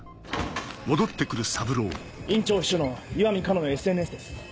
院長秘書の石見カナのＳＮＳです。